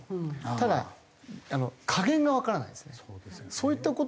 ただ加減がわからないんですよ。